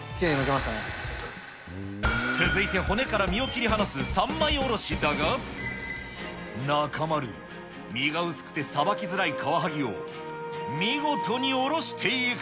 続いて、骨から身を切り離す三枚おろしだが、中丸、身が薄くてさばきづらいカワハギを、見事におろしていく。